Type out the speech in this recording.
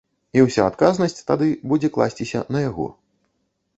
І ўся адказнасць тады будзе класціся на яго.